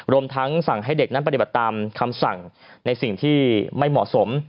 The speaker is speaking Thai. รวมทั้งสั่งให้เด็กนั้นปฏิบัติตามคำสั่งในสิ่งที่ไม่เหมาะสม